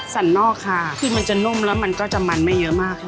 นอกค่ะคือมันจะนุ่มแล้วมันก็จะมันไม่เยอะมากค่ะ